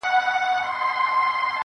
زلفې دې په غرونو کي راونغاړه